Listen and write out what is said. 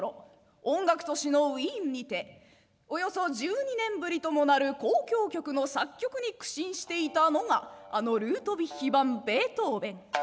音楽都市のウィーンにておよそ１２年ぶりともなる交響曲の作曲に苦心していたのがあのルートヴィヒ・ヴァン・ベートーヴェン。